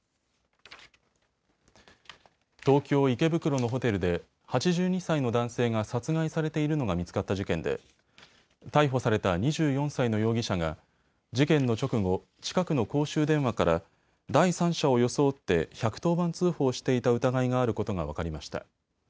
東京池袋のホテルで８２歳の男性が殺害されているのが見つかった事件で逮捕された２４歳の容疑者が事件の直後、近くの公衆電話から第三者を装って１１０番通報していた疑いがあることが分かりました。